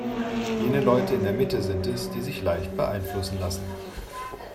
Jene Leute in der Mitte sind es, die sich leicht beeinflussen lassen.